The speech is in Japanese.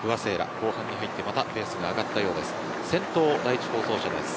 後半に入ってまたペースが上がったようです。